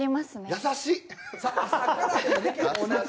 優しいっ！